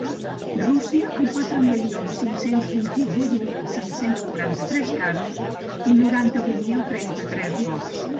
Rússia, amb quatre milions cinc-cents vint-i-vuit mil cinc-cents quaranta-tres casos i noranta-vuit mil trenta-tres morts.